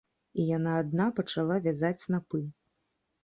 І яна адна пачала вязаць снапы.